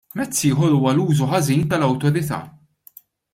Mezz ieħor huwa l-użu ħażin tal-awtorità.